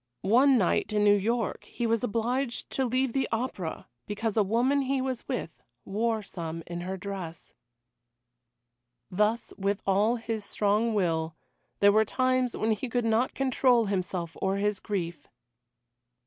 One night in New York he was obliged to leave the opera because a woman he was with wore some in her dress. Thus, with all his strong will, there were times when he could not control himself or his grief.